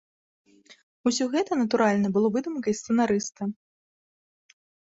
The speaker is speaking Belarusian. Усё гэта, натуральна, было выдумкай сцэнарыста.